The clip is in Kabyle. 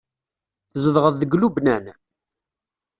Tzedɣeḍ deg Lubnan?